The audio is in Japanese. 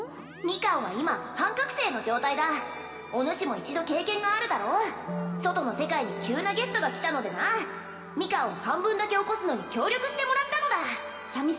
ミカンは今半覚醒の状態だおぬしも一度経験があるだろう外の世界に急なゲストが来たのでなミカンを半分だけ起こすのに協力してもらったのだシャミ